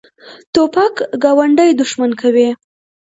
توپک ګاونډي دښمن کوي.